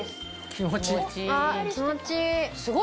首も気持ちいい。